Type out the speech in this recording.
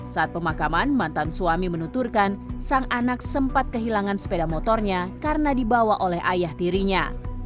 saat pemakaman mantan suami menuturkan sang anak sempat kehilangan sepeda motornya karena dibawa oleh ayah tirinya